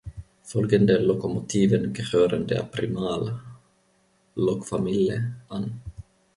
Folgende Lokomotiven gehören der PrimaI-Lokfamille an.